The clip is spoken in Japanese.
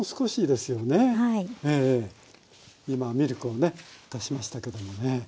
今ミルクをね足しましたけどもね。